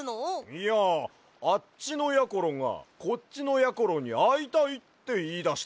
いやあっちのやころがこっちのやころにあいたいっていいだしてな。